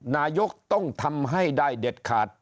นายกต้องทำให้ได้เด็ดขาด